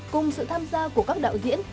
cùng sự tham gia của các đạo diễn